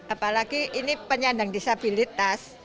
apalagi ini penyandang disabilitas